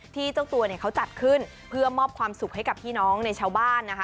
เจ้าตัวเนี่ยเขาจัดขึ้นเพื่อมอบความสุขให้กับพี่น้องในชาวบ้านนะคะ